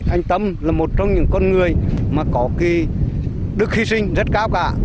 anh tâm là một trong những con người mà có cái đức hy sinh rất cao cả